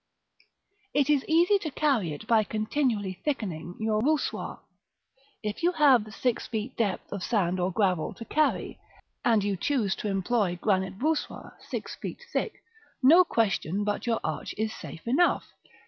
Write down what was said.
It is easy to carry it by continually thickening your voussoirs: if you have six feet depth of sand or gravel to carry, and you choose to employ granite voussoirs six feet thick, no question but your arch is safe enough.